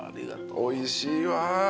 おいしいわぁ。